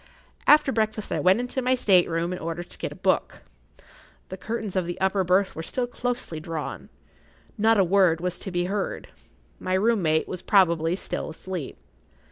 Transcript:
After breakfast I went into my state room in order to get a book. The curtains of the upper berth were still closely drawn. Not a word was to be heard. My room mate was probably still asleep.